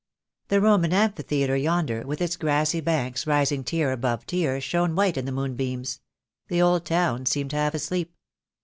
The Roman amphitheatre yonder, with its grassy banks rising tier above tier, shone white in the moonbeams; the old town seemed half asleep.